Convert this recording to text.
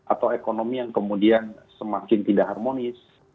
atau ekonomi yang kemudian semakin tidak harmonis